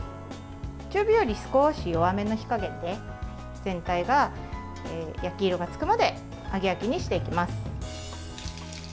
中火より少し弱めの火加減で全体が焼き色がつくまで揚げ焼きにしていきます。